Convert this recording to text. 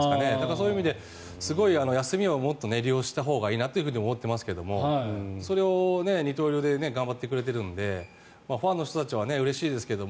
そういう意味でもっと休みを利用したほうがいいなというふうに思ってますけどそれを二刀流で頑張ってくれているのでファンの人たちはうれしいですけど